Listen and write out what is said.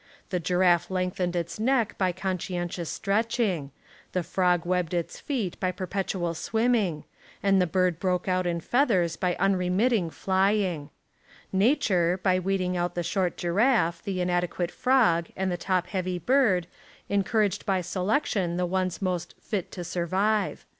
The giraffe lengthened its neck by conscientious stretching; the frog webbed its feet by perpetual swim ming; and the bird broke out in feathers by unremitting flying. "Nature" by weeding out the short giraffe, the inadequate frog, and the Essays and Literary Studies top heavy bird encouraged by selection the ones most "fit to survive."